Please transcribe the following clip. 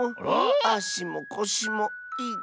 あしもこしもいたいし。